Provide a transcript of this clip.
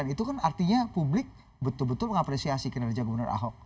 itu kan artinya publik betul betul mengapresiasi kinerja gubernur ahok